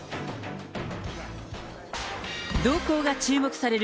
動向が注目される